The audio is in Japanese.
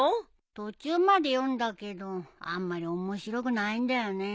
途中まで読んだけどあんまり面白くないんだよね。